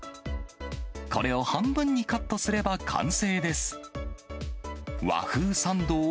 これを半分にカットすれば完成です。